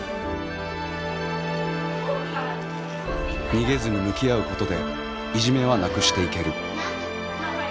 逃げずに向き合うことでいじめはなくしていける。